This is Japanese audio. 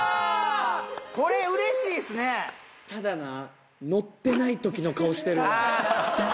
これうれしいっすねただなのってないときの顔してるんだ